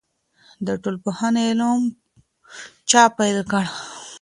د ټولنپوهنې علم چا پیل کړ؟